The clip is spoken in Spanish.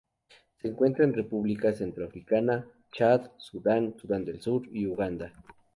Se encuentra en República Centroafricana, Chad, Sudán, Sudán del Sur y Uganda.